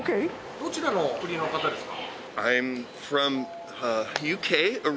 どちらのお国の方ですか？